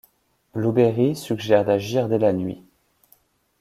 Blueberry suggère d'agir dès la nuit.